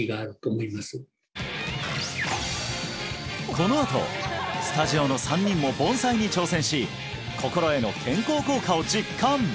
このあとスタジオの３人も盆栽に挑戦し心への健康効果を実感！